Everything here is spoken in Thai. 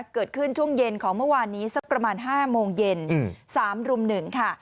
เกิดขึ้นช่วงเย็นของเมื่อวานนี้สักประมาณ๕โมงเย็น๓รุ่ม๑ค่ะ